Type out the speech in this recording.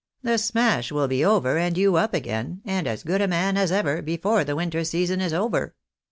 The smash will be over, and you up again, and as good a man as ever, before the winter season is over."